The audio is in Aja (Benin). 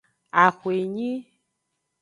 Axwenyi.